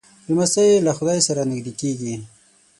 لمسی له خدای سره نږدې کېږي.